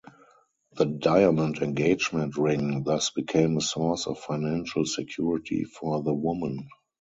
The diamond engagement ring thus became a source of financial security for the woman.